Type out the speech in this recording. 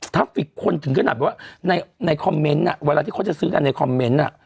ฟิกคนถึงขนาดว่าในคอมเมนต์เวลาที่เขาจะซื้อกันในคอมเมนต์